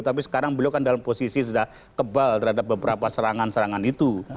tapi sekarang beliau kan dalam posisi sudah kebal terhadap beberapa serangan serangan itu